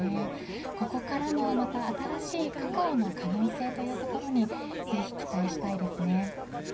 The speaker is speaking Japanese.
ここからの新しいカカオの可能性というところにぜひ期待したいですね。